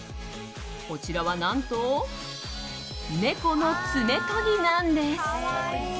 こちらは何と猫の爪とぎなんです。